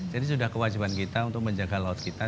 jadi sudah kewajiban kita untuk menjaga laut kita